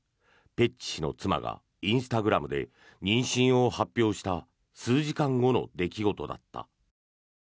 ペッチ氏の妻がインスタグラムで妊娠を発表した数時間後の出来事だった。